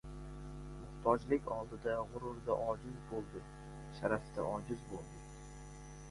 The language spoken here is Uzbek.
Muhtojlik oldida g‘ururda ojiz bo‘ldi, sharafda ojiz bo‘ldi!